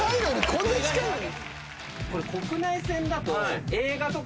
こんな近いのに？